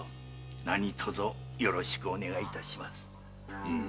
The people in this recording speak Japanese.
なにとぞよろしくお願い致します。